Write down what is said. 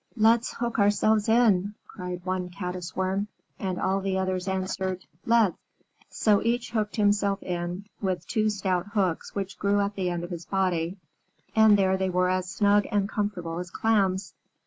"Let's hook ourselves in!" cried one Caddis Worm, and all the others answered, "Let's." So each hooked himself in with the two stout hooks which grew at the end of his body, and there they were as snug and comfortable as Clams.